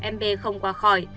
mb không qua khỏi